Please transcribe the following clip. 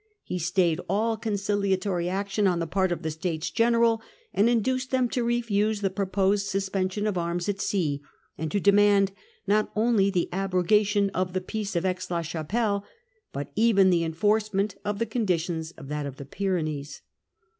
He stayed all conciliatory action on William. the p art 0 f the States General ; and induced them to refuse the proposed suspension of arms at sea, and to demand not only the abrogation of the Peace of Aix la Chapelle, but even the enforcement of the con ditions of that of the Pyrenees.